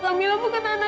kamila bukan anak